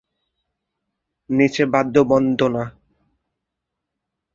নিচে বাদ্যবন্দনা।